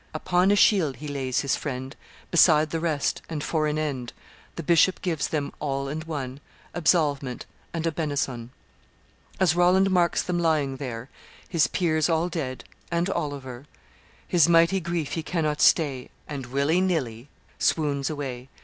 Upon a shield he lays his friend Beside the rest, and, for an end, The bishop gives them, all and one, Absolvement and a benison. As Roland marks them lying there, His peers all dead and Oliver, His mighty grief he cannot stay, And, willy nilly, swoons away.